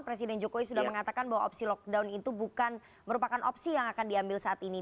presiden jokowi sudah mengatakan bahwa opsi lockdown itu bukan merupakan opsi yang akan diambil saat ini